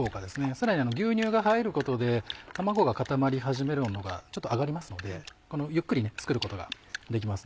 さらに牛乳が入ることで卵が固まり始めるのがちょっと上がりますのでゆっくり作ることができますね。